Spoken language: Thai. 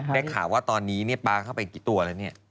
ได้ข่าวว่าตอนนี้เนี่ยป๊าเข้าไปกี่ตัวแล้วเนี่ย